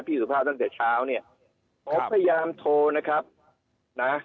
สุภาพตั้งแต่เช้าเนี่ยผมพยายามโทรนะครับนะ